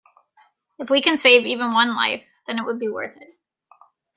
If we can save even one life, then it would be worth it.